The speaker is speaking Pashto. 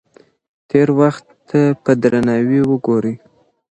تېر وخت ته په درناوي وګورئ.